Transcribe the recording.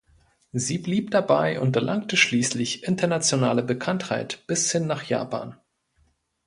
Sie blieb dabei und erlangte schließlich internationale Bekanntheit bis hin nach Japan.